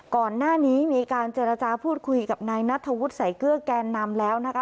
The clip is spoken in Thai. ก่อนหน้านี้มีการเจรจาพูดคุยกับนายนัทธวุฒิใส่เกลือแกนนำแล้วนะคะ